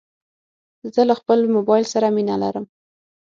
زه له خپل موبایل سره مینه لرم.